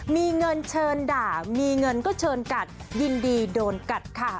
มีเงินเชิญด่ามีเงินก็เชิญกัดยินดีโดนกัดค่ะ